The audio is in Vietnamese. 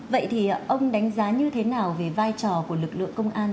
vậy thì ông đánh giá như thế nào về vai trò của lực lượng công an